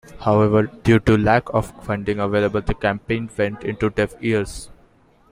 However, due to lack of funding available, the campaign went into deaf ears.